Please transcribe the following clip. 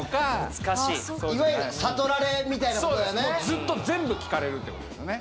ずっと全部聞かれるってことですよね。